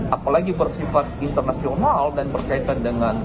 apalagi bersifat internasional dan berkaitan dengan